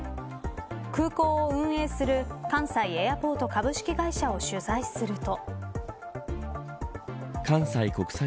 空港を運営する関西エアポート株式会社を取材すると。